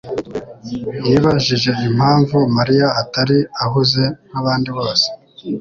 yibajije impamvu Mariya atari ahuze nkabandi bose.